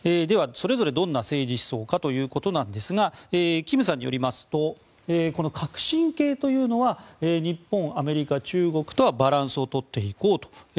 それぞれどんな政治思想かということですが金さんによりますと革新系というのは日本、アメリカ、中国とバランスをとっていくと。